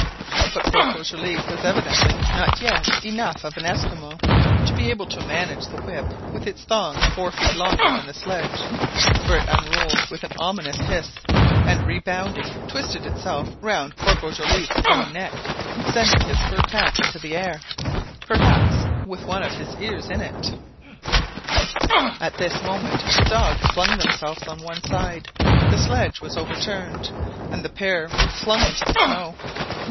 But Corporal Joliffe was evidently not yet enough of an Esquimaux to be able to manage the whip with its thong four feet longer than the sledge; for it unrolled with an ominous hiss, and rebounding, twisted itself round Corporal Joliffe's own neck, sending his fur cap into the air, perhaps with one of his ears in it. At this moment the dogs flung themselves on one side, the sledge was overturned, and the pair were flung into the snow.